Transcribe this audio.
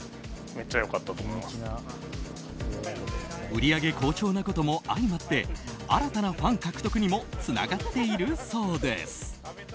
売り上げ好調なことも相まって新たなファン獲得にもつながっているそうです。